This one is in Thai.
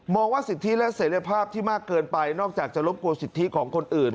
ว่าสิทธิและเสร็จภาพที่มากเกินไปนอกจากจะรบกวนสิทธิของคนอื่น